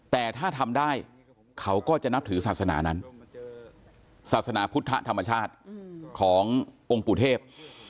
แต่ถ้าทำได้เขาก็จะนับถือศาสนานั้นศาสนาพุทธธรรมชาติขององค์ปู่เทพ